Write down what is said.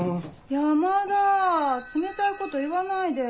山田冷たいこと言わないで。